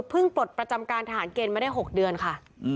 ปลดประจำการทหารเกณฑ์มาได้๖เดือนค่ะ